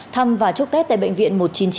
thăm và chúc tết tại bệnh viện một trăm chín mươi chín